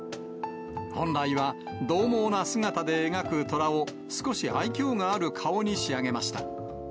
本来はどう猛な姿で描くとらを、少し愛きょうがある顔に仕上げました。